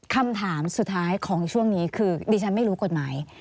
คำถามสุดท้ายของช่วงนี้คือดิฉันไม่รู้กฎหมาย